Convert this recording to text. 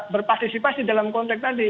berpartisipasi dalam konteks tadi